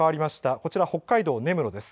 こちら北海道、根室です。